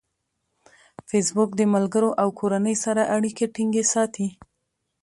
فېسبوک د ملګرو او کورنۍ سره اړیکې ټینګې ساتي.